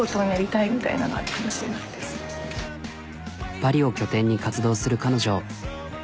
パリを拠点に活動する彼女。